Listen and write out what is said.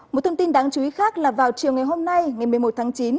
một thông tin đáng chú ý khác là vào chiều ngày hôm nay ngày một mươi một tháng chín